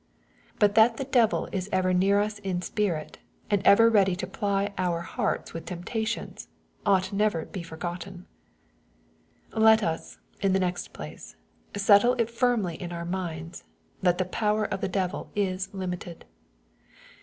But that the devil is ever near us in spirit, and ever ready to ply our hearts with temptations, ought never to he forgotten. Let us, in the next place, settle it firmly in our minds, that the power of the devil is limited.